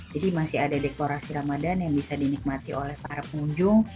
jadi masih ada dekorasi ramadan yang bisa dinikmati oleh para pengunjung